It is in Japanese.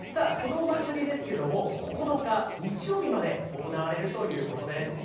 さあ、このお祭りですけれども、９日日曜日まで行われるということです。